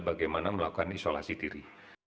bagaimana melakukan isolasi diri